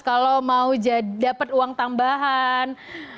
kalau mau dapat uang tambahan